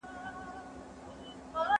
مکتب د ښوونکي له خوا خلاصیږي!.